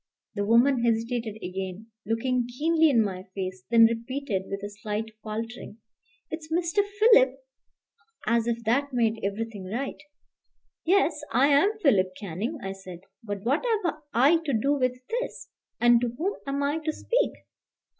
The woman hesitated again, looking keenly in my face, then repeated with a slight faltering, "It's Mr. Philip?" as if that made everything right. "Yes; I am Philip Canning," I said; "but what have I to do with this? and to whom am I to speak?"